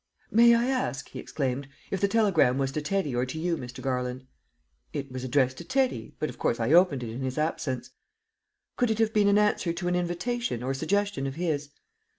"May I ask," he exclaimed, "if the telegram was to Teddy or to you, Mr. Garland?" "It was addressed to Teddy, but of course I opened it in his absence." "Could it have been an answer to an invitation or suggestion of his?"